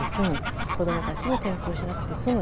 子どもたちも転校しなくて済む。